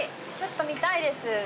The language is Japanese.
ちょっと見たいです。